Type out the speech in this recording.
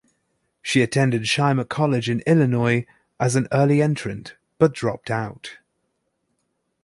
She attended Shimer College in Illinois as an early entrant, but dropped out.